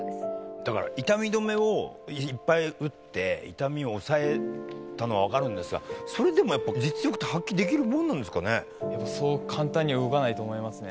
だから、痛み止めをいっぱい打って、痛みを抑えたのは分かるんですが、それでもやっぱり実力って発揮できるもんなんですかね？